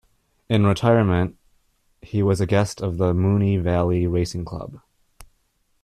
In retirement, he was a guest of the Moonee Valley Racing Club.